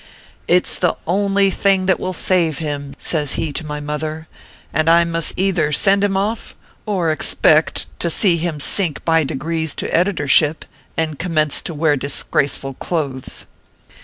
" It s the only thing that will save him," says he to my mother, " and I must either send him off, or expect to see him sink by degrees to editorship, and commence to wear disgraceful clothes."